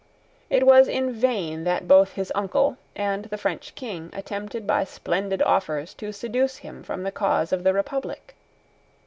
It was in vain that both his uncle and the French King attempted by splendid offers to seduce him from the cause of the Republic.